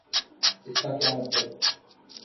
اس کا کیا مطلب؟